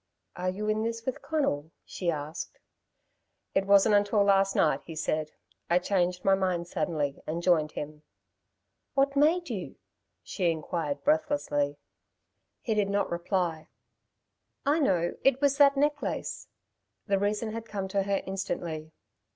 "Are you in this with Conal?" she asked. "I wasn't until last night," he said. "I changed my mind suddenly and joined him." "What made you?" she inquired breathlessly. He did not reply. "I know it was that necklace!" The reason had come to her instantly.